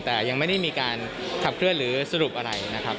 แต่ยังไม่ได้มีการขับเคลื่อนหรือสรุปอะไรนะครับ